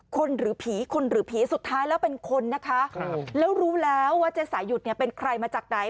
หรือผีคนหรือผีสุดท้ายแล้วเป็นคนนะคะแล้วรู้แล้วว่าเจ๊สายุทธ์เนี่ยเป็นใครมาจากไหน